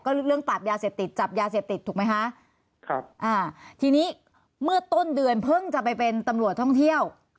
เรื่องปราบยาเสพติดจับยาเสพติดถูกไหมคะครับอ่าทีนี้เมื่อต้นเดือนเพิ่งจะไปเป็นตำรวจท่องเที่ยว